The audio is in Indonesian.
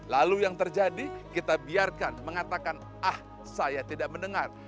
lalu yang terjadi kita biarkan mengatakan ah saya tidak mendengar